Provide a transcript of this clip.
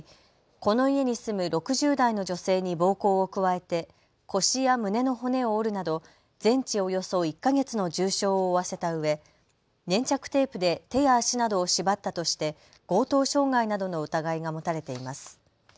この家に住む６０代の女性に暴行を加えて腰や胸の骨を折るなど全治およそ１か月の重傷を負わせたうえ粘着テープで手や足などを縛ったとして強盗傷害などの疑いが持たれています。